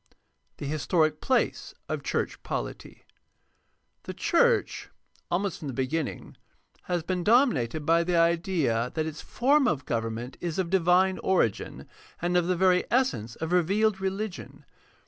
2. THE HISTORIC PLACE OF CHURCH POLITY The church, almost from the beginning, has been domi nated by the idea that its form of government is of di\dne origin and of the very essence of revealed religion.